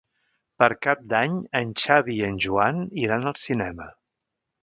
Per Cap d'Any en Xavi i en Joan iran al cinema.